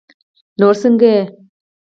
نور سنګه یی